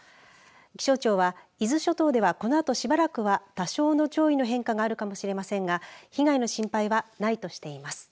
気象庁は伊豆諸島ではこのあとしばらくは多少の潮位の変化があるかもしれませんが被害の心配はないとしています。